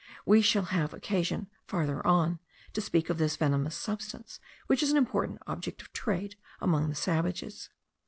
We shall have occasion, farther on, to speak of this venomous substance, which is an important object of trade among the savages.